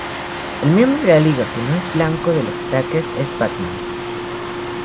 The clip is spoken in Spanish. El miembro de la Liga que no es blanco de los ataques es Batman.